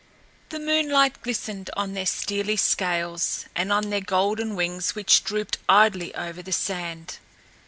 The moonlight glistened on their steely scales and on their golden wings, which drooped idly over the sand.